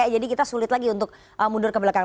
jadi kita sulit lagi untuk mundur ke belakang